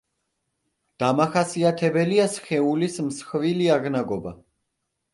დამახასიათებელია სხეულის მსხვილი აღნაგობა.